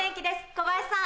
小林さん